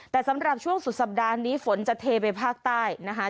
แต่สำหรับช่วงสุดสัปดาห์นี้ฝนจะเทไปภาคใต้นะคะ